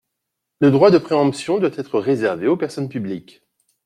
Le droit de préemption doit être réservé aux personnes publiques.